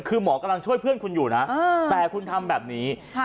คือหมอกำลังช่วยเพื่อนคุณอยู่นะแต่คุณทำแบบนี้